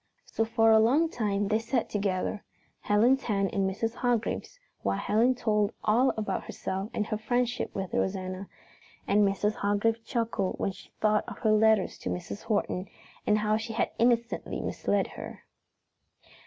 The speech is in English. So for a long time they sat together, Helen's hand in Mrs. Hargrave's while Helen told all about herself and her friendship with Rosanna, and Mrs. Hargrave chuckled when she thought of her letters to Mrs. Horton and how she had innocently misled her.